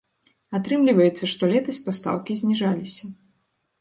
Атрымліваецца, што летась пастаўкі зніжаліся.